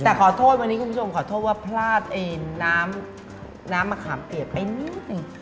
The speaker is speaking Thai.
แต่ขอโทษวันนี้คุณผู้ชมขอโทษว่าพลาดน้ำมะขามเปียกไปนิดนึง